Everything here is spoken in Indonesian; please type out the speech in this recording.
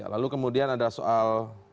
lalu kemudian ada soal